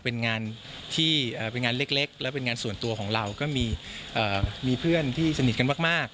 เป็นงานที่เป็นงานเล็กและเป็นงานส่วนตัวของเราก็มีเพื่อนที่สนิทกันมาก